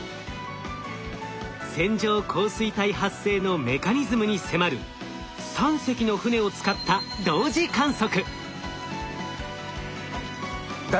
線状降水帯発生のメカニズムに迫る３隻の船を使った同時観測。